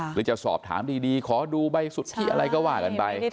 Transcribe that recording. หรือจะสอบถามดีขอดูใบสุทธิอะไรก็ว่ากันไป